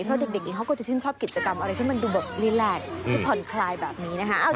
เพราะเด็กอย่างนี้เขาก็จะชื่นชอบกิจกรรมอะไรที่มันดูแบบรีแลกที่ผ่อนคลายแบบนี้นะคะ